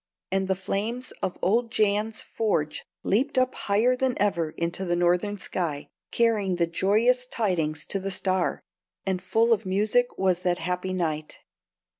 And the flames of old Jans's forge leaped up higher than ever into the Northern sky, carrying the joyous tidings to the Star, and full of music was that happy night.